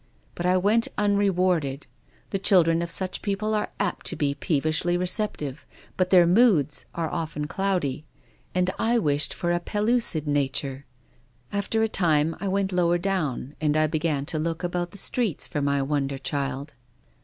But I went unrewarded. The chil dren of such people arc apt to be peevishly recept ive, but their moods are often cloudy, and I wished for a pellucid nature. After a time I went lower down, and I began to look about the .streets for my wonder child."